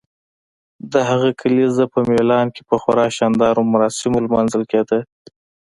د هغه کلیزه په میلان کې په خورا شاندارو مراسمو لمانځل کیده.